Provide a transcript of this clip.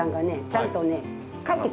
ちゃんとね。